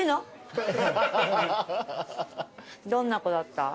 どんな子だった？